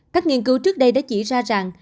các nghiên cứu trước đây đã chỉ ra rằng